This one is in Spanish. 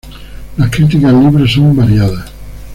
Las críticas al libro son variadas.